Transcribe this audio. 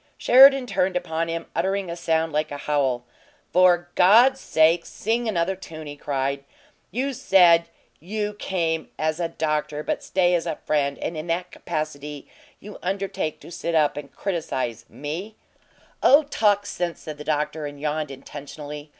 Sheridan turned upon him, uttering a sound like a howl. "For God's sake, sing another tune!" he cried. "You said you 'came as a doctor but stay as a friend,' and in that capacity you undertake to sit up and criticize ME " "Oh, talk sense," said the doctor, and yawned intentionally.